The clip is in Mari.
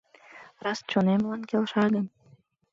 Раз чонемлан келша гын?